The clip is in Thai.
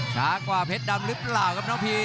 ช้ากว่าเพชรดำหรือเปล่าครับน้องพี